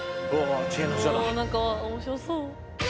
お何か面白そう。